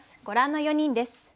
ご覧の４人です。